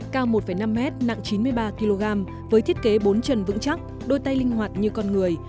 cao một năm m nặng chín mươi ba kg với thiết kế bốn chân vững chắc đôi tay linh hoạt như con người